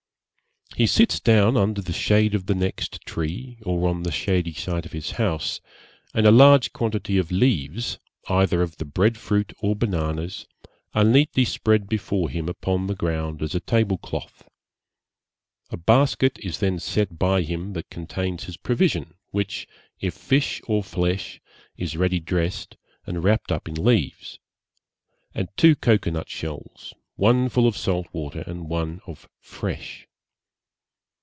'He sits down under the shade of the next tree, or on the shady side of his house, and a large quantity of leaves, either of the bread fruit or bananas, are neatly spread before him upon the ground as a table cloth; a basket is then set by him that contains his provision, which, if fish or flesh, is ready dressed, and wrapped up in leaves, and two cocoa nut shells, one full of salt water and one of fresh.